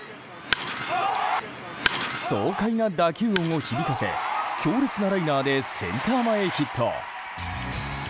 爽快な打球音を響かせ強烈なライナーでセンター前ヒット。